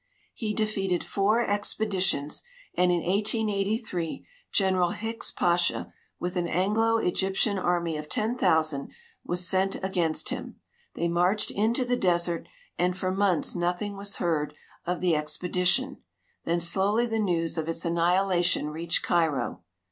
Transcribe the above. He defeated four expedi tions, and in 1883 General Hicks Pasha, with an Anglo Egyptian army of 10,000, was sent against him. They marched into the desert, and for months nothing was heard of the expedition, then slowly the news of its annihilation reached Cairo.